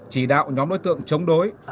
chỉ đạo nhóm đối tượng chống đối